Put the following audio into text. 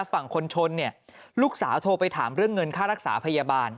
ฝั่งคนชนเนี่ยลูกสาวโทรไปถามเรื่องเงินค่ารักษาพยาบาล